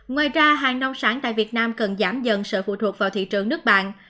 ngoài ra hàng nông sản tại việt nam cần giảm dần sự phụ thuộc vào thị trường nước bạn